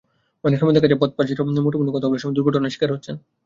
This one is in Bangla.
অনেক সময় দেখা যায়, পথচারীরাও মুঠোফোনে কথা বলার সময় দুর্ঘটনার শিকার হচ্ছেন।